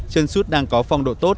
chân suốt đang có phong độ tốt